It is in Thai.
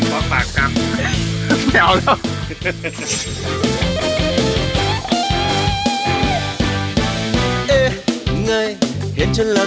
ปากปากกันจ้ะไม่เอาแล้ว